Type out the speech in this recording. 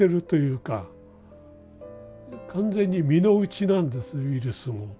完全に身の内なんですウイルスも。